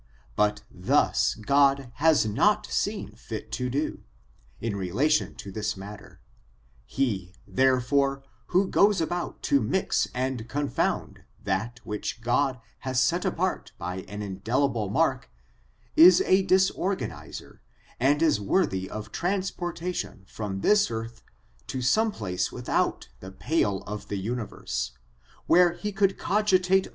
But thus God has not seen fit to do, in relation to this matter ; he, therefore, who goes about to mix and confound that which God has set apart by an in dellible mark, is a disorganizer and is worthy of transportation from this earth to some place without the pale of the universe^ where he could cogitate ^^h^h^M^ MMfc^"^"!